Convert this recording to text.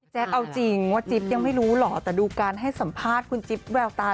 เอาจริงว่าจิ๊บยังไม่รู้หรอแต่ดูการให้สัมภาษณ์คุณจิ๊บแววตา